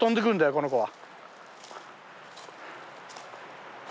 この子は。